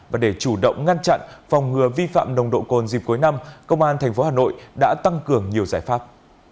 và để chủ động ngăn chặn phòng ngừa vi phạm nồng độ cồn dịp cuối năm công an tp hà nội đã tăng cường nhiều giải pháp